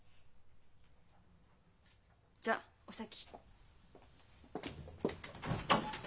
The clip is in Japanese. じゃあお先。